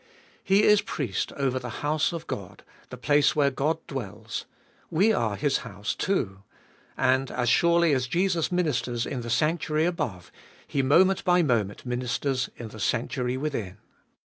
He is Priest over the house of God, the place where God dwells ; we are His house too. And as surely as Jesus ministers in the sanctuary above, He moment by moment ministers in the sanctuary within.